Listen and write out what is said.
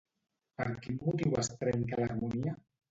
Per quin motiu es trenca l'harmonia?